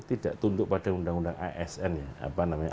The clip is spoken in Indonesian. tidak tuntuk pada undang undang asn ya